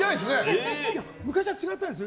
昔は違ったんですよ。